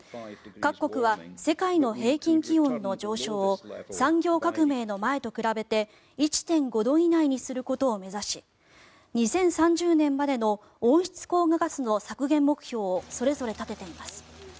各国は世界の平均気温の上昇を産業革命の前と比べて１．５度以内にすることを目指し２０３０年までの温室効果ガスの削減目標をそれぞれ立てています。